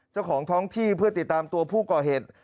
เจ้าของท้องที่เพื่อติดตามตัวผู้ก่อเหตุ